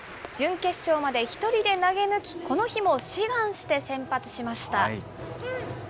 準決勝まで一人で投げ抜き、この日も志願して先発しました。